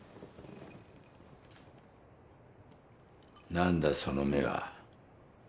何だその目は